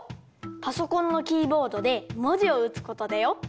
パソコンのキーボードでもじをうつことだよ。